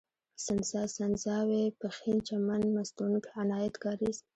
سنځاوۍ، پښين، چمن، مستونگ، عنايت کارېز